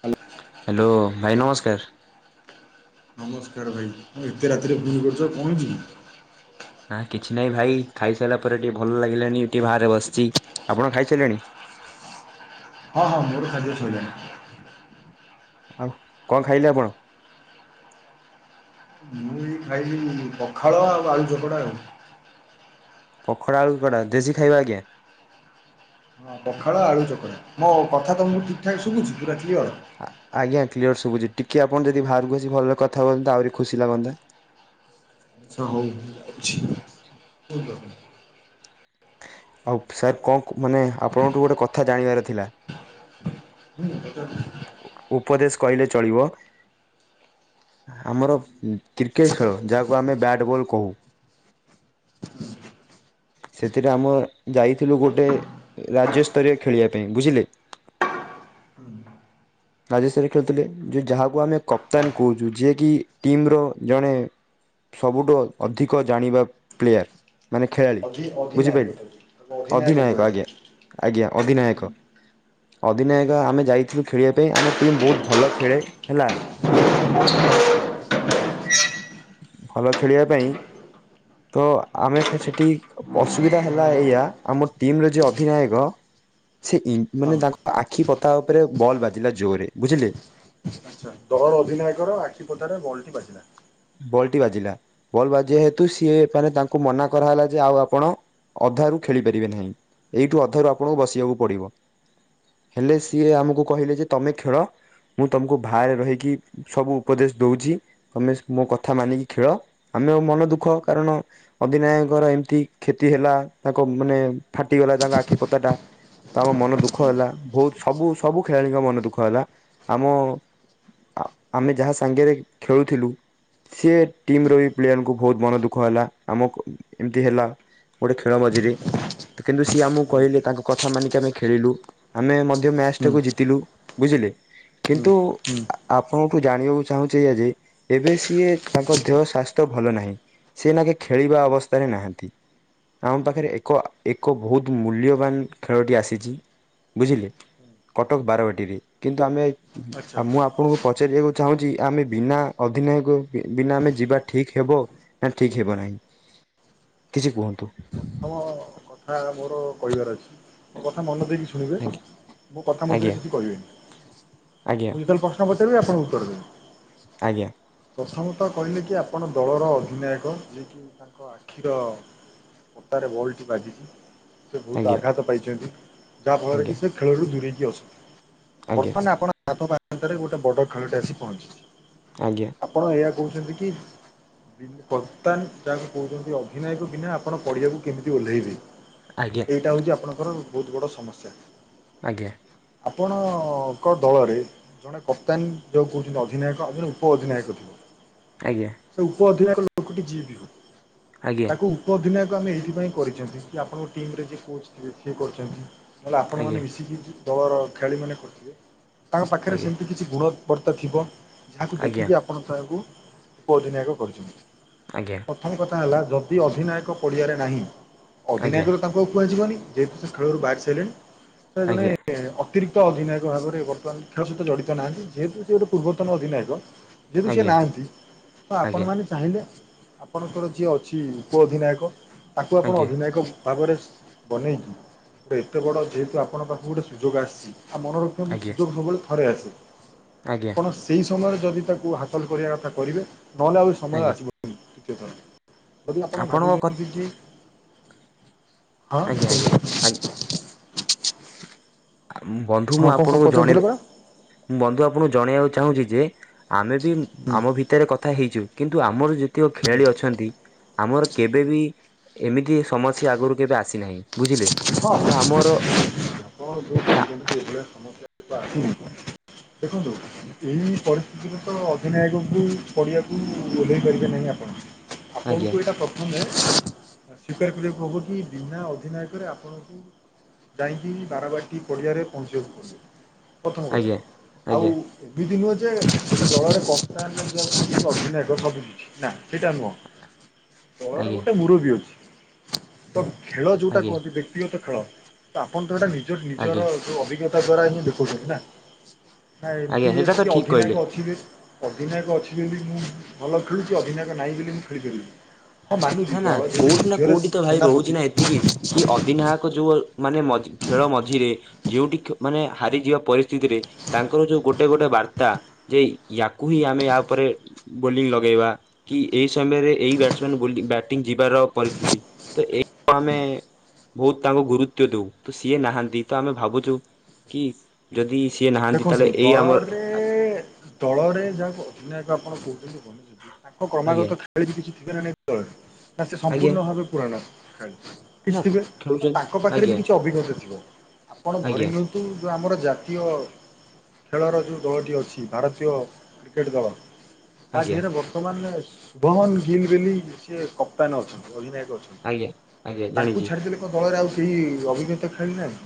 Hello. Hello ଭାଇ ନମସ୍କାର। ନମସ୍କାର ଭାଇ ଏତେ ରାତିରେ ଫୋନ କରିଛ କଣ ହେଇଛିକି? ନା କିଛି ନାହିଁ ଭାଇ ଖାଇସାରିଲା ପରେ ଟିକିଏ ଭଲ ଲାଗିଲାଣି ଟିକିଏ ବାହାରେ ବସିଛି ଆପଣ ଖାଇସାରିଲେଣି? ହଁ ହଁ ମୋର ଖିଆପିଆ ଶଇଲାଣି। ଆଉ କଣ ଖାଇଲେ ଆପଣ? ମୁଁ ଖାଇଲି ପଖାଳ ଆଉ ଆଳୁ ଚକଡ଼ା ଆଉ ପଖାଳ ଆଳୁ ଚକଡ଼ା ଦେଶୀ ଖାଇବା ଆଜ୍ଞା। ହଁ ପଖାଳ ଆଳୁ ଚକଡ଼ା ମୋ କଥା ତୁମକୁ ଠିକ୍ ଠାକ୍ ଶୁଭୁଛି ପୁରା କ୍ଲିୟର। ଆଜ୍ଞା କ୍ଲିୟର ଶୁଭୁଛି ଟିକେ ଆପଣ ଯଦି ବାହାରକୁ ଆସି ଭଲରେ କଥା କହନ୍ତା ଆହୁରି ଖୁସି ଲାଗନ୍ତା। ହଉ ରହୁଛି। ଆଉ ସାର୍ କଣ ମାନେ ଆପଣଙ୍କଠୁ ଗୋଟେ କଥା ଜାଣିବାର ଥିଲା? [unintelligible] ଉପଦେଶ କହିଲେ ଚଳିବ। ଆମର କ୍ରିକେଟ ଖେଳ ଯାହାକୁ ଆମେ ବ୍ୟାଟ୍ ବଲ୍ କହୁ। [unintelligible] ସେଥିରେ ଆମ ଯାଇଥିଲୁ ଗୋଟେ ରାଜ୍ୟସ୍ତରୀୟ ଖେଳିବା ପାଇଁ ବୁଝିଲେ? [unintelligible] ରାଜ୍ୟସ୍ତରୀୟ ଖେଳୁଥିଲେ ଯାହାକୁ ଆମେ କପ୍ତାନ କହୁଛୁ ଯିଏ କି ଟିମ ର ଜଣେ ସବୁଠୁ ଅଧିକ ଜାଣିବା ପ୍ଲେୟାର୍। ମାନେ ଖେଳାଳି ଅଧି ଅଧିନାୟକ ବୁଝିପାରିଲି ତାକୁ ତାକୁ ଅଧିନାୟକ କୁହାଯାଏ। ଆଜ୍ଞା। ଆଜ୍ଞା ଅଧିନାୟକ ଅଧିନାୟକ ଆମେ ଯାଇଥିଲୁ ଖେଳିବାକୁ ପାଇଁ ଆମ ଟିମ୍ ବହୁତ ଭଲ ଖେଳେ ହେଲା ବ ଭଲ ଖେଳିବା ପାଇଁ ତ ଆମେ ସେଠି ଅସୁବିଧା ହେଲା ଏଇଆ ଆମ ଟିମ ର ଯିଏ ହୁଁ ଅଧିନାୟକ ସେଇ ହଁ ମାନେ ତାଙ୍କ ଆଖି ପତା ଉପରେ ବଲ୍ ବାଜିଲା ଜୋରରେ ବୁଝିଲେ। ତମ ଅଧନାୟକର ଆଖି ପତାରେ ବଲ୍ ଟି ବାଜିଲା। ବଲ୍ ଟି ବାଜିଲା ବଲ୍ ବାଜିବା ହେତୁ ସିଏ ମାନେ ତାଙ୍କୁ ମନା କରାହେଲା ଯେ ଆଉ ଆପଣ ଅଧାରୁ ଖେଳି ପାରିବେ ନାହିଁ ଏଇଠୁ ଅଧାରୁ ଆପଣଙ୍କୁ ବସିବାକୁ ପଡିବ? ହେଲେ ସିଏ ଆମକୁ କହିଲେ ଯେ ତମେ ଖେଳ? ମୁଁ ତମକୁ ବାହାରେ ରହିକି ସବୁ ଉପଦେଶ ଦଉଛି ତମେ ମୋ କଥା ମାନିକି ଖେଳ ଆମେ ମନ ଦୁଃଖ କାରଣ ଅଧିନାୟକର ଏମିତି କ୍ଷତି ହେଲା ତାଙ୍କ ମାନେ ଫାଟିଗଲା ତାଙ୍କ ଆଖି ପତା ଟା ତ ଆମ ମନ ଦୁଃଖ ହେଲା ବହୁତ ସବୁ ସବୁ ଖେଳାଳିଙ୍କ ମନ ଦୁଃଖ ହେଲା ଆମ ଆ ଆମେ ଯାହା ସାଙ୍ଗରେ ଖେଳୁଥିଲୁ ସି ଟିମ ର ବି ପ୍ଲେୟରଙ୍କୁ ବହୁତ ମନ ଦୁଃଖ ହେଲା ଆମକୁ ଏମିତି ହେଲା ଗୋଟେ ଖେଳ ମଝିରେ ତ କିନ୍ତୁ ସିଏ ଆମକୁ କହିଲେ ତାଙ୍କ କଥା ମାନିକି ଆମେ ଖେଳିଲୁ ଆମେ ମଧ୍ୟ ହୁଁ ମ୍ୟାଚଟାକୁ ଜିତିଲୁ ବୁଝିଲେ ହୁଁ। କିନ୍ତୁ ହୁଁ ଆପଣଠୁ ଜାଣିବାକୁ ଚାହୁଁଛ ଏଇୟା ଯେ ଏବେ ସିଏ ତାଙ୍କ ଦେହ ସ୍ୱାସ୍ଥ୍ୟ ଭଲ ନାହିଁ ସିଏ ତାଙ୍କେ ଖେଳିବା ଅବସ୍ଥାରେ ନାହାନ୍ତି। ଆମ ପାଖରେ ଏକ ଏକ ବହୁତ ମୂଲ୍ୟବାନ ଖେଳଟି ଆସିଛି। ବୁଝିଲେ କଟକ ବାରବାଟୀରେ କିନ୍ତୁ ଆମେ ଆଚ୍ଛା ମୁଁ ଆପଣଙ୍କୁ ପଚାରିବାକୁ ଚାହୁଁଛି ଆମେ ବିନା ଅଧିନାୟକ ବିନା ଆମେ ଯିବା ଠିକ ହବ ନା ଠିକ ହେବ ନାହିଁ କିଛି କୁହନ୍ତୁ? ହମ କଥା ମୋର କହିବାର ଅଛି ମୋ କଥା ମନ ଦେଇକି ଶୁଣିବେ ମୋ କଥା ମଧ୍ୟରେ ଆଜ୍ଞା କିଛି କହିବେନି ଆଜ୍ଞା ମୁଁ ଯେତେବେଳେ ପ୍ରଶ୍ନ ପଚାରିବି ଆପଣଙ୍କୁ ଉତ୍ତର ଦେବେ ଆଜ୍ଞା। ପ୍ରଥମତଃ କହିଲେ କି ଆପଣ ଦଳର ଅଧିନାୟକ ଯିଏ କି ଆଖିର ପତାରେ ବଲ୍ ଟି ବାଜି ସେ ବହୁତ ଆଜ୍ଞା ଆଘାତ ପାଇଛନ୍ତି ଯାହାଫଳରେ ଆଜ୍ଞା କି ସେ ଖେଳରୁ ଦୂରେଇକି ଅଛନ୍ତି। ଆଜ୍ଞା ବର୍ତ୍ତମାନ ଆପଣଙ୍କ ହାତ ପାନ୍ତରେ ଗୋଟେ ବର୍ଡର ଖେଳଟି ଆସି ପହଞ୍ଚିଛି। ଆଜ୍ଞା। ଆପଣ ଏହା କହୁଛନ୍ତି କି କପ୍ତାନ ଯାହାକୁ କହୁଛନ୍ତି ଅଧିନାୟକ ବିନା ଆପଣ ପଢିବାକୁ କେମିତି ଓହ୍ଲେଇବେ? ଆଜ୍ଞା। ଏଇଟା ହଉଛି ଆପଣଙ୍କର ବହୁତ ବଡ଼ ସମସ୍ୟା। ଆଜ୍ଞା। ଆପଣଙ୍କ ଦଳରେ ଜଣେ କପ୍ତାନ ଯେଉ କହୁଛନ୍ତି ଅଧିନାୟକ ଆଉ ଜଣେ ଉପଅଧିନାୟକ ଥିବ। ଆଜ୍ଞା। ସେ ଉପ ଅଧିନାୟକ ଲୋକଟି ଯିଏବି ହଉ ଆଜ୍ଞା ତାକୁ ଉପ ଅଧିନାୟକ ଆମେ ଏଇଥିପାଇଁ କରିଛନ୍ତି କି ଆପଣଙ୍କ ଟିମିରେ ଯିଏ କୋଚ୍ ଥେ ସିଏ କରିଛନ୍ତି ନହେଲେ ଆଜ୍ଞା ଆପଣମାନେ ମିଶିକି ଦଳର ଖେଳାଳି ମାନେ କରିଥିବେ ତାଙ୍କ ପାଖରେ ସେମିତି କିଛି ଗୁଣବତ୍ତା ଥିବ। ଆଜ୍ଞା ଯାହାକୁ ଆଜ୍ଞା ଆଜ୍ଞା ଆଜ୍ଞା ଦେଖିକି ଆପଣ ତାଙ୍କୁ ଉପ ଅଧିନିୟକ କରିଛନ୍ତି। ଆଜ୍ଞା। ପ୍ରଥମ କଥା ହେଲା ଯଦି ଅଧିନାୟକ ପଡ଼ିଆରେ ନାହିଁ। ଅଧିନାୟକ ତାଙ୍କୁ ଆଉ କୁହାଯିବନି ଯେହେତୁ ସେ ଖେଳରୁ ବାହାରି ସାରିଲେଣି ସେ ଜଣେ ଅତିରିକ୍ତ ଅଧିନାୟକ ଭାବରେ ବର୍ତ୍ତମାନ ଖେଳ ସହିତ ଜଡ଼ିତ ନାହାନ୍ତି ଯେହେତୁ ଯେ ଗୋଟେ ପୂର୍ବତନ ଅଧିନାୟକ। ଯେହେତୁ ସେ ନାହାନ୍ତି ତ ଆପଣମାନେ ଚାହିଁଲେ ଆପଣଙ୍କର ଯିଏ ଅଛି ଉପ ଅଧିନାୟକ ତାକୁ ଆପଣ ଆଜ୍ଞା ଅଧିନାୟକ ଙ୍କ ଭାବରେ ବନେଇକି ସେ ଏତେ ବଡ଼ ଯେହେତୁ ଆପଣଙ୍କ ପାଖକୁ ଗୋଟେ ସୁଯୋଗ ଆସିଛି ଆ ମନର ସୁଯୋଗ ସବୁବେଳେ ଥରେ ଆସେ ଆଜ୍ଞା ଆଜ୍ଞା ଆପଣ ସେହି ସମୟରେ ଯଦି ତାକୁ ହାସଲ କରିବା କଥା କରିବେ ନହେଲେ ଆହୁରି ସମୟ ଆଜ୍ଞା ଆସିବ ଦ୍ୱିତୀୟଥର। ଯଦି ଆପଣ ଆପଣଙ୍କ ଭାବୁଛନ୍ତି କି ଆଜ୍ଞା ହଁ ଆଜ୍ଞା [unintelligible] ବନ୍ଧୁ ହଁ ମୁଁ କଣ ଆପଣଙ୍କୁ ଜଣେ ପଚାରୁଥିଲେ ପରା? ମୁଁ ବନ୍ଧୁ ଆପଣଙ୍କୁ ଜଣେଇବାକୁ ଚାହୁଁଛି ଯେ ଆମେ ବି ଆମ ହଁ ଭି ତେରେ କଥା ହେଇଜୀବୁ କିନ୍ତୁ ଆମର ଯେତିକ ଖେଳାଳି ଅଛନ୍ତି। ଆମର କେବେ ବିି ଏମିତି ସମସ୍ୟା ଆଗରୁ କେବେ ଆସିନାହିଁ। ବୁଝିଲେ। ହଁ ତ ଆପଣ ଯେ ଆମର ତା [unintelligible] [unintelligible] ଦେଖନ୍ତୁ ଏଇ ପରିସ୍ଥିତିରେ ତ ଅଧିନାୟକଙ୍କୁ ପଡ଼ିଆକୁ ଓହ୍ଲେଇ ପାରିବେ ନାହିଁ ଆପଣ। ଆଜ୍ଞା ଆପଣଙ୍କୁ ଏଇଟା ପ୍ରଥମେ ସ୍ଵିକାର କରିବାକୁ ହବ କି ବିନା ଅ ଅଧିନାୟକରେ ଆପଣଙ୍କୁ ଯାଇକି ବାରବାଟି ପଡ଼ିଆରେ ପହଞ୍ଚିବାକୁ ପଡିବ। ପ୍ରଥମ କଥା, ଆଜ୍ଞା ଆଉ ଆଜ୍ଞା ଏମିତି ନୁହେଁ ଯେ ଦଳରେ କସ୍ତା [unintelligible] ନା ସେଇଟା ନୁହଁ, ଦଳର ଆଜ୍ଞା ଆଜ୍ଞା ଗୋଟେ ମୁରବୀ ଅଛି, ତ ଖେଳ ଯୋଉ ଆଜ୍ଞା ବ୍ୟକ୍ତିଗତ ଖେଳ ତ ଆପଣ ତ ଏଇଟା ନିଜ ଆଜ୍ଞା ନିଜର ଯୋଉ ଅଭିଜ୍ଞତା ଦ୍ଵାରା ଏମାନେ ଦେଖଉଛନ୍ତି ନା, ନା ଆଜ୍ଞା ଏମିତି ସେଇଟା ତ କିଏ ଠିକ୍ କହିଲେ। ଅଧିନାୟକ ଅଛି ଯେ ଅଧିନାୟକ ଅଛି ବୋଲି ମୁଁ ଭଲ ଖେଳୁଛି ଅଧିନାୟକ ନାହିଁ ବୋଲି ମୁଁ ଖେଳିପାରିବିନି। ହଁ ମାନୁଛି ନା-ନା ଦଳ ଯଦି କୋଉଠି ନା ଝିଅରେ କୋଉଠି ତ ଭାଇ ସେନାପତି ରହୁଛି ନା ଏତିକି, କି ଅଧିନାୟକ ଯୋଉ ମାନେ ମଝ୍ ଖେଳ ମଝିରେ ଯୋଉଠି ମାନେ ହାରିଯିବା ପରିସ୍ଥିତିରେ ତାଙ୍କର ଯୋଉ ଗୋଟେ ଗୋଟେ ବାର୍ତ୍ତା ଯେ ୟାକୁ ହିଁ ଆମେ ୟା ଉପରେ ବୋଲିଂ ଲଗେଇବା କି ଏଇ ସମୟରେ ଏଇ ବ୍ୟାଟସମ୍ୟାନ୍ ବୋଲିଙ୍ଗ୍ ବ୍ୟାଟିଂ ଯିବାର ପରିସ୍ଥିତି ତ ଏଇ [inaudible] ଆମେ ବହୁତ ତାଙ୍କୁ ଗୁରୁତ୍ଵ ଦଉ ତ ସିଏ ନାହାନ୍ତି ତ ଆମେ ଭାବୁଛୁ କି ଯଦି ସିଏ ନାହାନ୍ତି ତାହେଲେ ଏଇ ଆମର ଏ-ଏ-ଏ-ଏ ଦଳରେ ଯାହାକୁ ଅଧିନାୟକ ଆପଣ କହୁଛନ୍ତି ବନଉଛନ୍ତି ତାଙ୍କ ଆଜ୍ଞା କ୍ରମାଗତ ଖେ ହେଲେ କିଛି ଠିକ୍ ଠିକଣା ନାଇଁ [inaudible] ନା ସେ ଆଜ୍ଞା ସମ୍ପୂର୍ଣ ଭାବେ ପୁରଣ ଖେଳାଳି? ନା କିଛି ଥିବେ, ଖେଳୁଛନ୍ତି ତାଙ୍କ ପାଖରେ ଆଜ୍ଞା ବି କିଛି ଅଭିଜ୍ଞତା ଥିବ ଆପଣ ଧରି ଆଜ୍ଞା ନିଅନ୍ତୁ ତୁ ଯୋଉ ଆମର ଜାତୀୟ ଖେଳର ଯୋଉ ଦଳଟି ଅଛି, ଭାରତୀୟ କ୍ରିକେଟ୍ ଦଳ ତା ଆଜ୍ଞା ଧିଏରେ ବହୁ [unintelligible] ଶୁଭମ୍ ଗିଲ୍ ବୋଲି ସେ କପ୍ତାନ ଅଛନ୍ତି ଅଧିନାୟକ ଅଛ୍ ଆଜ୍ଞା ଆଜ୍ଞା ତାଙ୍କୁ ଜାଣିଛି। ଛାଡିଦେଲେ କଣ ଦଳରେ ଆଉ କେହି ଅଭିଜ୍ଞତା ଖେଳାଳି ନାହାନ୍ତି?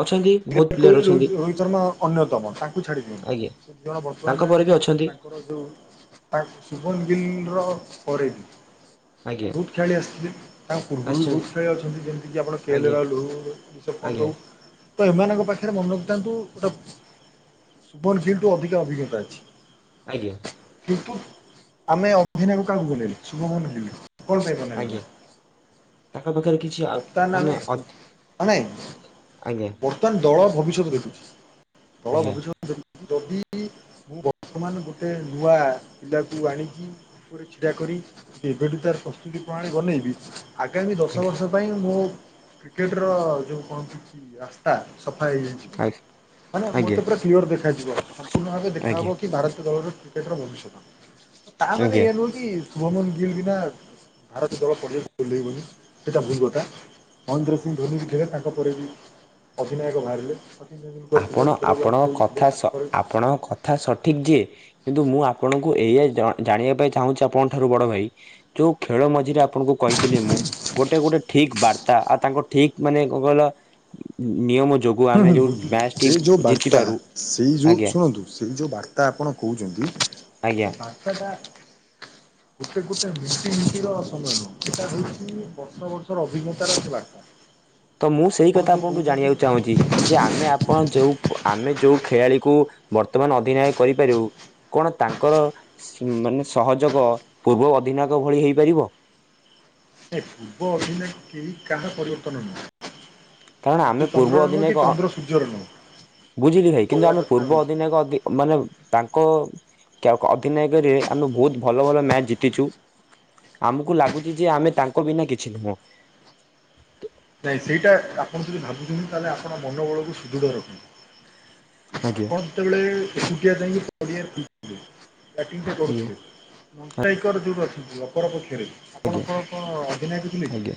ଅଛନ୍ତି ବହୁତ ବିରାଟ ପ୍ଲେୟର କୋହଲି, ରୋହି ଅଛନ୍ତି ରୋହିତ ଶର୍ମା। ଅନ୍ୟତମ, ତାଙ୍କୁ ଆଜ୍ଞା ଛାଡ଼ିଦିଅନ୍ତୁ, ସେ ଦିଜଣ ତାଙ୍କ ବର୍ତ୍ତମାନେ ପରେ ବି ଅଛନ୍ତି ତାଙ୍କର ଯୋଉ ତା ଶୁଭମ୍ ଗିଲ୍ ର ପରେ ଆଜ୍ଞା ବହୁତ ଖେଳାଳି ଆସିଥିବେ? ତାଙ୍କ ପୂର୍ବରୁ ବି ଆସିଛନ୍ତି ବହୁତ ଖେଳାଳି ଅଛନ୍ତି ଯେମିତିକି ଆପଣ କେଏଲ ଆଜ୍ଞା ରାହୁଲୁ, ରିଷଭ ପଣ୍ଟୁ। ଆଜ୍ଞା ତ ଏମାନଙ୍କ ପାଖରେ ମନେ ରଖିଥାନ୍ତୁ ଗୋଟେ ଶୁଭମ୍ ଗିଲ୍ ଠୁ ଅଧିକ ଅଭିଜ୍ଞତା ଅଛି। ଆଜ୍ଞା‌। କିନ୍ତୁ ଆମେ ଅଧିନାୟକ କାହାକୁ ବନେଇଲେ ଶୁଭମ୍ ଗିଲ୍ କୁ କଣ ପାଇଁ ବନା ଆଜ୍ଞା ଗଲା? ତାଙ୍କ ପାଖରେ କି କପ୍ତାନ ମାନେ, ମାନେ ଆଜ୍ଞା ‌ବହୁ ବର୍ତ୍ତମାନ ଦଳ ଭବିଷ୍ୟତ ଦେଖୁଛି ଦଳ ଆଜ୍ଞା ଭବିଷ୍ୟତ୍ ଯଦି, ଯଦି ମୁଁ ବର୍ତ୍ତମାନ ଗୋଟେ ନୂଆ ପିଲାକୁ ଆଣିକି ଉପରେ ଛିଡା କରି କେବେଠୁ ତାର ପ୍ରସ୍ତୁତି ପ୍ରଣାଳୀ ବନେଇବି ଆଗାମୀ ଦଶ ଆଜ୍ଞା ବର୍ଷ ମୋ ପାଇଁ ମୋ କ୍ରିକେଟର ଯୋଉ କଣ [unintelligible] ‌ ରାସ୍ତା ସଫା ହେଇଯାଇଛି। ମାନେ ମୋତେ ଆଜ୍ଞା ପୁରା କ୍ଲିୟର ଦେଖାଯିବ ସମ୍ପୂର୍ଣ୍ଣ ଭାବେ ଦେଖା ହବ ଆଜ୍ଞା କି ଭାରତୀୟ ଦଳର ଟି [inaudible] ର ଭବିଷ୍ୟତ, ତା ମାନେ ଆଜ୍ଞା ଏଇୟା ନୁହଁ କି କି ଶୁଭମ୍ ଗିଲ୍ ବିନା ଭାରତ ଦଳ ପଡିଆକୁ ଓହ୍ଲେଇବନି ସେଇଟା ଭୁଲ କ [inaudible] ମହେନ୍ଦ୍ର ସିଂହ ଧୋନି ବି ଥିଲେ, ତାଙ୍କ ପରେ ବି ଅଧିନାୟକ ବାହାରିଲେ। ତେନ୍ଦୁଲକର ଥିଲେ ଆପଣ ଈଶ୍ୱର ଆପଣଙ୍କ ଗାଙ୍ଗୁଲି ଥିଲେ କଥା ସ ତାଙ୍କ ପରେ ଆପଣଙ୍କ କ କଥା ସଠିକ୍ ଯେ କିନ୍ତୁ ମୁଁ ଆପଣଙ୍କୁ ଏଇଆ ଜା ଜାଣିବା ପାଇଁ ଚାହୁଁଛି ଆପଣଙ୍କ ଠାରୁ ବଡ ଭାଇ ଯୋଉ ଖେଳ ମଝିରେ ଆପଣଙ୍କୁ କହିଥିଲି ମୁଁ ଗୋଟେ ଗୋଟେ ଠିକ୍ ବାର୍ତ୍ତା ଆଉ ତାଙ୍କ ଠିକ୍ ମାନେ କଣ କହିଲ ନିୟମ ଯୋଗ୍ ହୁଁ-ହୁଁ ବୁଝୁଛି ସେଇ ଯୋଉ ବାର୍ତ୍ତା ସେଇ ଯୋଉ ଆଜ୍ଞା ଶୁଣନ୍ତୁ ସେଇ ଯୋଉ ବାର୍ତ୍ତା ଆପଣ କହୁଛନ୍ତି ଆଜ୍ଞା ବାର୍ତ୍ତାଟା ଗୋଟେ ଗୋଟେ ମିଟିଂ ମିନିଟର ସମୟ ନୁହଁ ଏଟା ହଉଛି ବର୍ଷ ବର୍ଷର ଅଭିଜ୍ଞତା ର ସେଲାର। ତ ମୁଁ ସେଇ କଥା ଆପଣଙ୍କୁୁ ଜାଣିବାକୁ ଚାହୁଁଛି? ଯେ ଆମେ ଆପଣ ଯୋଉ, ଆମେ ଯୋଉ ଖେଳାଳିକୁ ବର୍ତ୍ତମାନ ଅଧିନାୟ କରିପାରିବୁ କଣ ତାଙ୍କର ମାନେ ସହଯୋଗ ପୂର୍ବ ଅଧିନାୟକ ଭଳି ହେଇପାରିବ? ପୂର୍ବ ଅଭିନୟ କେହି କାହାର ପରିବର୍ତ୍ତନ ନୁହ କାରଣ ଆମେ ସୂର୍ଯ୍ୟ ପୂର୍ବ ଚନ୍ଦ୍ରର ନୁହେଁ କି ଅଧିନାୟକ ଚନ୍ଦ୍ର ସୂର୍ଯ୍ୟର ନୁହଁ। ବୁଝିଲି ମୁଁ ଭାଇ, କିନ୍ତୁ କହିବା ଆମେ କଥା ପୂର୍ବ ହଉଛି ଅଧିନାୟକ ମାନେ ତାଙ୍କ ଅଧନାୟକରେ, ଆମେ ବହୁତ ଭଲ ଭଲ ମ୍ୟାଚ ଜିତିଛୁ। ଆମକୁ ଲାଗୁଛି ଯେ ଆମେ ତାଙ୍କ ବିନା କିଛି ନୁହଁ। ନାଇଁ ସେଇଟା ଆପଣ ଯଦି ଭାବୁଛନ୍ତି ତାହେଲେ ଆପଣ ମନ ବଳକୁ ସୁଦୃଢ଼ ରଖନ୍ତୁ। ଆଜ୍ଞା। ସେତେବେଳେ ଏକୁଟିଆ ଯାଇକି ବଢିଆ ବ୍ୟାଟ ଟି ଆଜ୍ଞା କରୁଥିଲେ। ମଷ୍ଟାଇକର ଯେଉଁଠି ଅଛନ୍ତି ଅପରପକ୍ଷରେ ଆପଣ ଆଜ୍ଞା କଣ କଣ ଅଧିନାୟକ ଥିଲେ କି? ଆଜ୍ଞା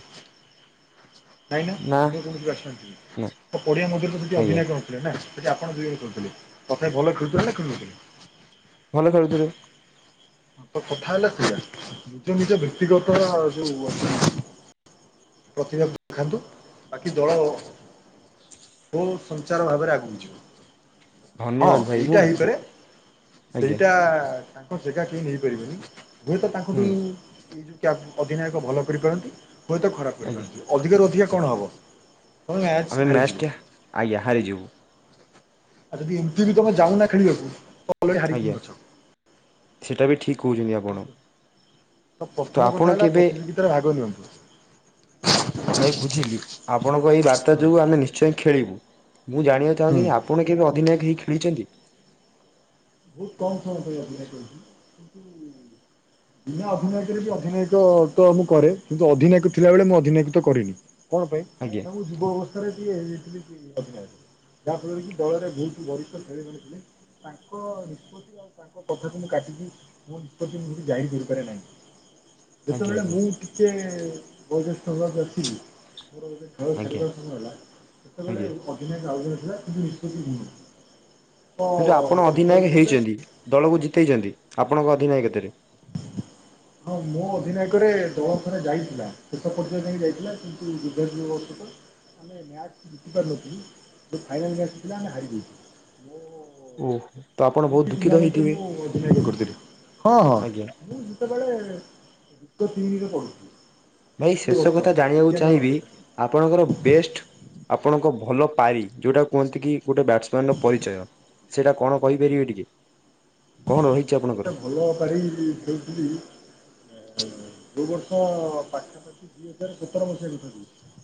ନାଇଁ ନା, ଅନ୍ୟ କେତିରୁ ନା ଆସିନାହାନ୍ତି ତ ପଢିଆ ମଧ୍ୟରୁ ଆଜ୍ଞା ଅଧୀନୟ କରନ୍ତି ନା ସେଠି ଆପଣ ଦୁଇରେ ଖେଳୁଥିଲେ ତଥାପି ଭଲ ଖେଳୁଥିଲେ ନା ଖେଳୁନଥିଲ? ଭଲ ଖେଳୁଥିଲେ। ତ କଥା ହେଲା ସେଇଆ, ନିଜ ନିଜ ବ୍ୟକ୍ତିଗତ ଯୋଉ ଅଛି ପ୍ରତିଭା ଦେଖାନ୍ତୁ, ବାକି ଦଳ ବହୁତ ସଞ୍ଚାର ଭାବରେ ଆଗକୁ ଯିବ। ହଁ ଧନ୍ୟବାଦ ଭାଇ ମୁଁ ଏଇଟା ହେଇପାରେ ଆଜ୍ଞା ସେଇଟା ତାଙ୍କ ଯେଗା କେହି ନେଇପାରିବେନି, ହୁଏତ ତାଙ୍କଠୁ ହୁଁ ଏଇ ଯୋଉ ଅଧିନାୟକ ଭଲ କରିପାରନ୍ତି ହୁଏତ ଖରାପ ଆଜ୍ଞା କରିପାରନ୍ତି, ଅଧିକାରୁ ଅଧିକା ଆଜ୍ଞା କଣ ହେବ? ମ୍ୟାଚ୍ ଆମେ ହାରିଯିବ। ମ୍ୟାଚଟା ଆଜ୍ଞା ହାରଯିବୁ। ଆ ଏତେ ବି ତମେ ଜାଣୁନା ଖେଳିବାକୁ ଅଲରେଡି ହାରିକି ଆଜ୍ଞା ହିଁ ଅଛ ସେଇଟା ବି ଠିକ୍ କହୁଛନ୍ତି ଆପଣ, ବୁଝିଲ ତ ଆପଣ କେବେ ତାର ରାଗ ଜୋର। ଭାଇ ବୁଝିଲି, ଆପଣଙ୍କ ଏଇ ବାର୍ତ୍ତା ଯୋଗୁଁ, ଆମେ ନିଶ୍ଚୟ ଖେଳିବୁ। ମୁଁ ଜାଣିବାକୁ ଚାହୁଁଛି ଆପଣ କେବେ ଅଧିନାୟକ ହେଇ ଖେଳିଛନ୍ତି? ବହୁତ କମ୍ ସମୟ ପାଇଁ ଅଭିନୟ କରିଛି କିନ୍ତୁ [inaudible] ବିନା ଅଧିନାୟକରେ ବି ଅଧିନାୟକ ତ ମୁଁ କରେ, କିନ୍ତୁ ଅଧିନାୟକ ଥିଲାବେଳେ ମୁଁ ଅଧିନାୟକ ତ କରିନି। କଣ ପାଇଁ? ଆଜ୍ଞା। ତାଙ୍କୁ ଯୁବ ଅବସ୍ଥାରେ ଟିକେ ଯାଇଥିଲି। ଯାହାଫଳରେ କି ଦଳରେ ବହୁ ବରିଷ୍ଠ ଖେଳିପାରି ଥିଲେ ତାଙ୍କ ନିଷ୍ପତ୍ତି ତାଙ୍କ କଥାକୁ ମୁଁ କାଟିକି ମୋ ଏପର୍ଯ୍ୟନ୍ତ ଯାହିର କରିପାରେ ନାହିଁ। ଆଜ୍ଞା ଯେତେବେଳେ ଆଜ୍ଞା ମୁଁ ଟିକେ ବୟଜ୍ୟଷ୍ଟ ହବାକୁ ଆସିଲି ମୋର ଖେଳ ଆଜ୍ଞା ଛାଡ଼ିବାକୁ ହେଲା, ସେତେବେଳେ ଆଜ୍ଞା ଅଧ୍ୟନାୟକ ଆଉ ଜଣେ ଥିଲା କିନ୍ତୁ, ନିଷ୍ପତ୍ତି ମୁଁ ନେଲି। କିନ୍ତୁ ଆପଣ ଅଧିନାୟକ ହେଇଛନ୍ତି, ଦଳକୁ ଜିତେଇଛନ୍ତି, ଆପଣଙ୍କ ଅଧିନାୟକ ତାରେ? ହଁ ମୋ ଅଧିନୟକରେ ଦଳ ଥରେ ଯାଇଥିଲା, ଶେଷ ପର୍ଯ୍ୟାୟ ଯାଇକି ଯାଇଥିଲା, କିନ୍ତୁ ଯୁଦ୍ଧ ବଶତଃ ଆମେ ମ୍ୟାଚ୍ ଜିତି ପାରରିନଥିଲୁ, ଯୋଉ ଫାଇନାଲ୍ ମ୍ୟାଚ୍ ଥିଲା, ଆମେ ହାରି ଯାଇଥିଲୁ, ମୁଁ ଓହୋ। ତ ଆପଣ [unintelligible] ଭୁଲ୍ ବହୁତ ଠିକ୍ ଦୁଃଖିତ ମୁମେଣ୍ଟରେ ହେଇଥିବେ ମୁଁ ଅଧିନୟକ କରିଥିଲି, ହଁ। ଆଜ୍ଞା ସେତେବେଳେ ଯୁକ୍ତ ତିନିରେ ପଢ଼ୁଥିଲି। ଭାଇ ଦ୍ୱିତୀୟ ଶେଷ ବର୍ଷ କଥା ଜାଣିବାକୁ ବିଜ୍ଞାନ ଚାହିଁବି ଆପଣଙ୍କର ବେଷ୍ଟ୍ ଆପଣଙ୍କ ଭଲ ପାଇ ଯଉଟା କୁହନ୍ତି କି ଗୋଟେ ବ୍ୟାଟ୍ସମ୍ୟାନ୍ ର ପରିଚୟ। ସେଟା କଣ କହିପାରିବେ ଟିକେ କଣ ରହି ଯୋଉଟା ଭଲ [unintelligible] ଖେଳୁଥିଲି। ଯଉ ବର୍ଷ ପାଖାପାଖି ଦୁଇ ହଜାର୍ ସତର ମସିହା କଥା କହୁଚି।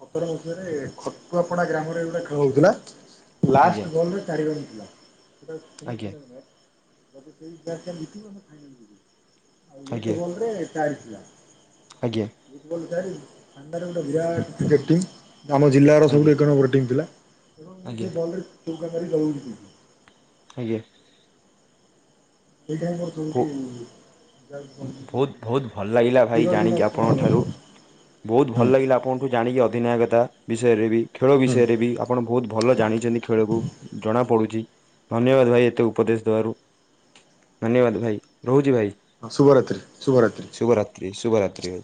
ସତର ମସିହାରେ ଖଟୁଆପଡା ଗ୍ରାମରେ ଗୋଟିଏ ଖେଳ ହଉଥିଲା ଆଜ୍ଞା ଲାଷ୍ଟ ବଲ୍ ରେ ଚାରି ରନ୍ ଆଜ୍ଞା ଥିଲା। ଯଦି ସେଇ ମ୍ୟାଚ୍ ଟା ଜିତିବ ଆମେ ଫାଇନାଲ୍ ଯିବୁ ଆଉ ଏକ ଆଜ୍ଞା ବଲ୍ ରେ ଚାରି ଥିଲା। ଆଜ୍ଞା। ଫୁଟବଲ୍ ଚାରି ଫାଣ୍ଡାରେ ବିରାଟ୍ ଜେଟିଂ ଆମ ଜିଲ୍ଲାର ଆଜ୍ଞା ସବୁଠୁ ଏକ ନମ୍ବର ଟିମ୍ ଥିଲା। ଆଜ୍ଞା ଆଜ୍ଞା। ସେଇଟା ଆମର ସବୁଠୁ ଯାହାକୁ କହନ୍ତି କି ବହୁତ୍ -ବହୁତ୍ ଭଲ ଲାଗିଲା ଭାଇ ଚିରଦିନ ଜାଣିକି ଆପଣଙ୍କ ସ୍ମରଣୀୟ। ଠାରୁ ବହୁତ୍ ଭଲ ହୁଁ ଲାଗିଲା ଆପଣ ମୁଁ ଜାଣିଚି ଅଧିନାୟକତା ବିଷୟରେ ବି ଖେଳ ବିଷୟରେ ବି ଆପଣ ବହୁତ୍ ଭଲ ଜାଣିଚନ୍ତି ଖେଳକୁ ଜଣା ପଡୁଚି। ଧନ୍ୟବାଦ୍ ଭାଇ ଏତେ ଉପଦେଶ ଦେବାରୁ ଧନ୍ୟବାଦ୍ ଭାଇ ରହୁଚି ଭାଇ। ହଁ ଶୁଭରାତ୍ରି- ଶୁଭରାତ୍ରି। ଶୁଭରାତ୍ରି -ଶୁଭରାତ୍ରି ଭାଇ।